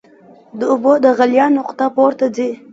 د اوبو د غلیان نقطه پورته ځي.